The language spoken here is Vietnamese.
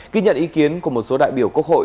ghi nhận ý kiến của một số đại biểu quốc hội